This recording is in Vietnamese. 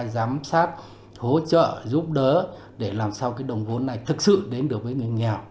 giám sát hỗ trợ giúp đỡ để làm sao cái đồng vốn này thực sự đến được với người nghèo